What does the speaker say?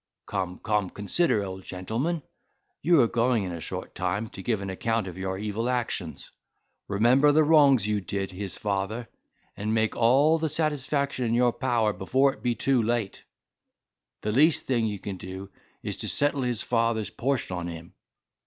Come, come, consider, old gentleman, you are going in a short time to give an account of your evil actions. Remember the wrongs you did his father, and make all the satisfaction in your power before it be too late. The least thing you can do is to settle his father's portion on him."